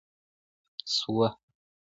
سوه.